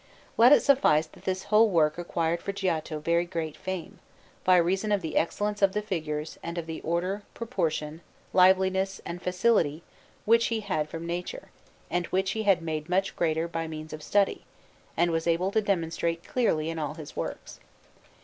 Let it suffice that this whole work acquired for Giotto very great fame, by reason of the excellence of the figures and of the order, proportion, liveliness, and facility which he had from nature, and which he had made much greater by means of study, and was able to demonstrate clearly in all his works.